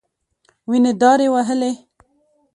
وينې دارې وهلې.